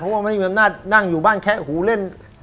เพราะว่าไม่มีอำนาจนั่งอยู่บ้านแคะหูเล่น